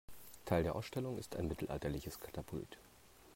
Teil der Ausstellung ist ein mittelalterliches Katapult.